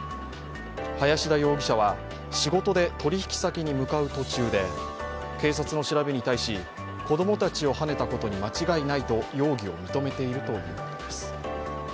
林田容疑者は仕事で取引先に向かう途中で警察の調べに対し子供たちをはねたことに間違いないと容疑を認めているということです。